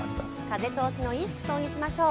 風通しのいい服装にしましょう。